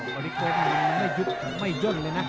บริกรมไม่หยุดไม่หยุดเลยนะ